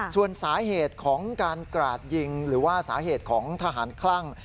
ส่วนสาเหตุของการกราดยิงหรือว่าสาเหตุของทหารคลั่ง